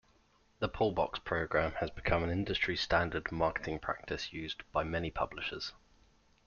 The Pullbox Program has become an industry-standard marketing practice used by many publishers.